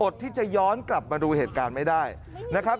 อดที่จะย้อนกลับมาดูเหตุการณ์ไม่ได้นะครับ